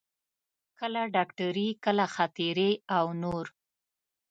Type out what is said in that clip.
کله ډاکټري، کله خاطرې او نور.